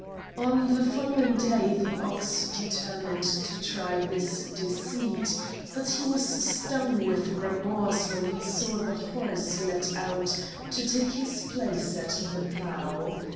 On the following day the ox determined to try this deceit, but he was stung with remorse when he saw the horse led out to take his place at the plough.